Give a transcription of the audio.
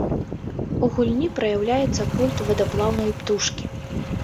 У гульні праяўляецца культ вадаплаўнай птушкі.